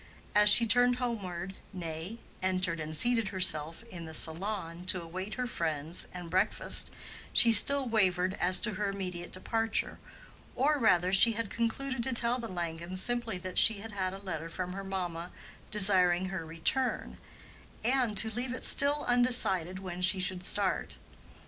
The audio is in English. As she turned homeward, nay, entered and seated herself in the salon to await her friends and breakfast, she still wavered as to her immediate departure, or rather she had concluded to tell the Langens simply that she had had a letter from her mamma desiring her return, and to leave it still undecided when she should start.